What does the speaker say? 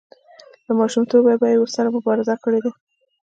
له ماشومتوبه یې ورسره مبارزه کړې ده.